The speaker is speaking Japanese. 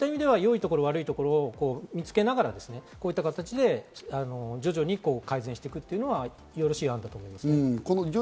そういった意味で良いところ、悪いところを見つけながら、そういった形で徐々に改善していくというのはよろしい案だと思います。